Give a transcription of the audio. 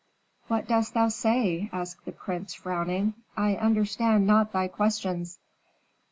"What dost thou say?" asked the prince, frowning. "I understand not thy questions."